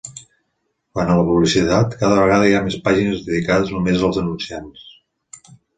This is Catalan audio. Quant a la publicitat, cada vegada hi havia més pàgines dedicades només als anunciants.